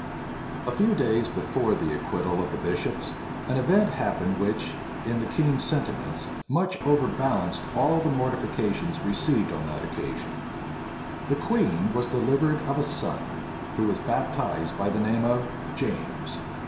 A few days before the acquittal of the bishops, an event happened which, in the king's sentiments, much overbalanced all the mortifications received on that occasion. The queen was delivered of a son, who was baptized by the name of James.